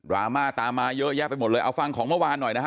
ราม่าตามมาเยอะแยะไปหมดเลยเอาฟังของเมื่อวานหน่อยนะฮะ